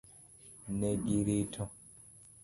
Ne girito.